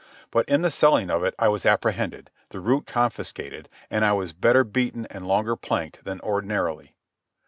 But in the selling of it I was apprehended, the root confiscated, and I was better beaten and longer planked than ordinarily.